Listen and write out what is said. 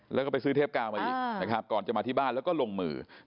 แล้วก็ไปซื้อเทพกาไว้ก่อนจะมาที่บ้านแล้วก็ลงมือ